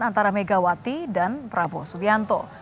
antara megawati dan prabowo subianto